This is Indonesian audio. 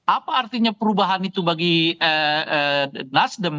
apa artinya perubahan itu bagi nasdem